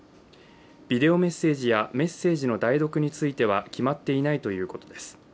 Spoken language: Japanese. ビデオメッセージやメッセージの代読については決まっていないということです。